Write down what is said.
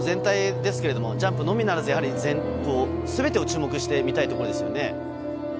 ショートプログラム全体ですけど、ジャンプのみならず、すべてを注目してみたいところですよね。